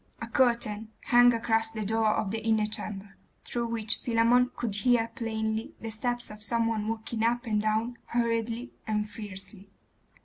A curtain hung across the door of the inner chamber, through which Philammon could hear plainly the steps of some one walking up and down hurriedly and fiercely.